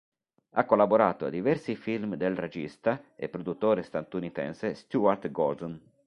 Ha collaborato a diversi film del regista, e produttore statunitense Stuart Gordon.